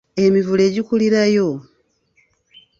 Emivule gikulirayo.